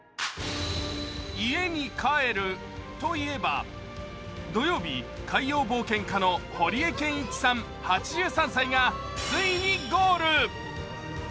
家に帰るといえば、土曜日、海洋冒険家の堀江謙一さん８３歳がついにゴール。